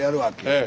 ええ。